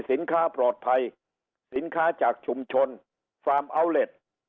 สินค้าปลอดภัยสินค้าจากชุมชนฟาร์มอัลเล็ต